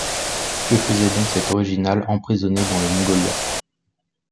Que faisait donc cet original, emprisonné dans le Mongolia?